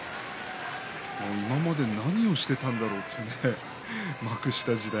今まで何をしていたんだと幕下時代。